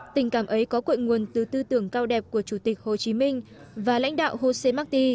tình cảm ấy có cội nguồn từ tư tưởng cao đẹp của chủ tịch hồ chí minh và lãnh đạo jose marti